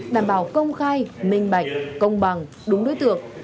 đảm bảo công khai minh bạch công bằng đúng đối tượng